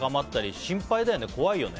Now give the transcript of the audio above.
心配だよね。